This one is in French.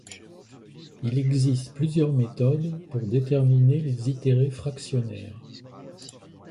Il existe plusieurs méthodes pour déterminer les itérées fractionnaires.